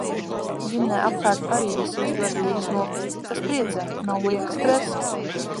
Ģimenē apkārt arī visi uztver vīrusu nopietni. Tas priecē! Nav lieka stresa.